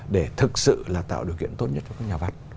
để thực sự là tạo điều kiện tốt nhất cho các nhà văn